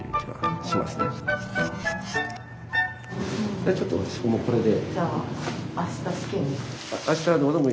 じゃあちょっと私もうこれで。